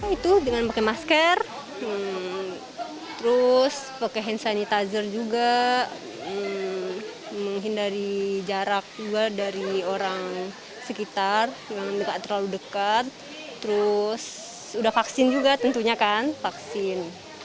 itu dengan pakai masker terus pakai hand sanitizer juga menghindari jarak juga dari orang sekitar nggak terlalu dekat terus sudah vaksin juga tentunya kan vaksin